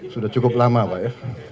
sudah cukup lama pak ya